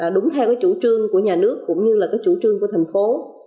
đúng theo chủ trương của nhà nước cũng như là chủ trương của thành phố